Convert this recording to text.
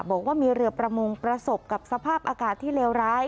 บอกว่ามีเรือประมงประสบกับสภาพอากาศที่เลวร้าย